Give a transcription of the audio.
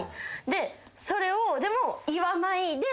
でそれを言わないで。